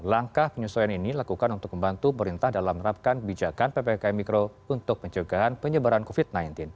langkah penyesuaian ini dilakukan untuk membantu perintah dalam menerapkan kebijakan ppk mikro untuk penyelenggaraan penyebaran covid sembilan belas